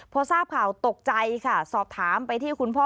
พอทราบข่าวตกใจค่ะสอบถามไปที่คุณพ่อ